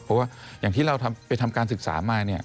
เพราะว่าอย่างที่เราไปทำการศึกษามาเนี่ย